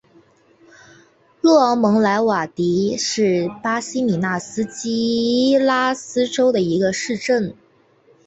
若昂蒙莱瓦迪是巴西米纳斯吉拉斯州的一个市镇。